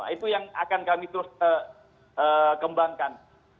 itu yang akan kami terus kembangkan